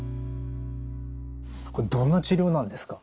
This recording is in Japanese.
これどんな治療なんですか？